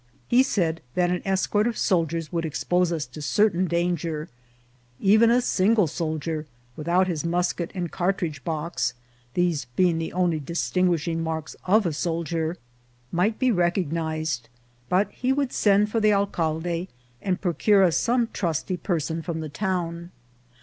He said that an escort of soldiers would expose us to certain danger ; even a single soldier, without his musket and cartridge box (these being the only distinguishing marks of a sol dier), might be recognised ; but he would send for the alcalde, and procure us some trusty person from the town.